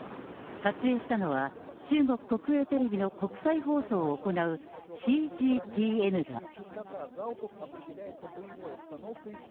撮影したのは、中国国営テレビの国際放送を行うＣＧＴＮだ。